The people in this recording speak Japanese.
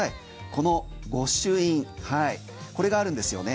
この御朱印これがあるんですよね。